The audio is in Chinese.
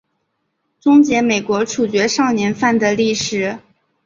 终结美国处决少年犯的历史。